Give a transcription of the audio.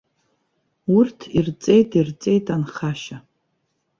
Урҭ ирҵеит, ирҵеит анхашьа.